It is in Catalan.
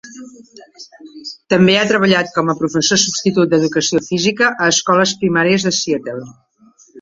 També ha treballat con a professor substitut d'educació física a escoles primàries de Seattle.